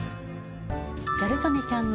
ギャル曽根ちゃんに。